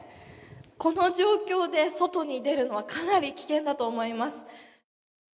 この状況で外に出るのはかなり危険だと思います。